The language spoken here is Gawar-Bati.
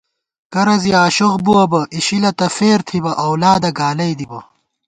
کرہ زی آشوخ بُوَہ بہ اِشِلہ تہ فېر تھِبہ اؤلادہ گالَئ دِبہ